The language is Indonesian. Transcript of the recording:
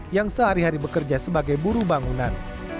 yang sehari hari bekerja sebagai buru bangunan